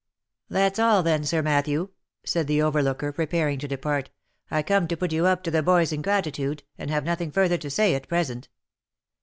" That's all, then Sir Matthew," said the overlooker, preparing to depart. " I cotn'd to put you up to the boys ingratitude, and have nothing further to say at present."